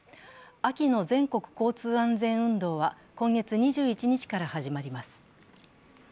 秋の全国交通安全運動は今月２１日から始まります。